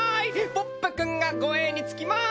ポップくんが護衛につきます！